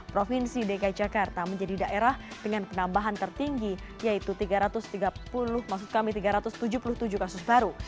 provinsi dki jakarta menjadi daerah dengan penambahan tertinggi yaitu tiga ratus tujuh puluh kasus baru